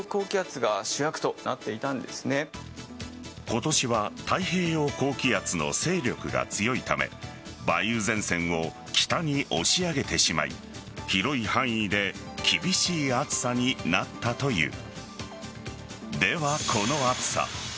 今年は太平洋高気圧の勢力が強いため梅雨前線を北に押し上げてしまい広い範囲で厳しい暑さになったという。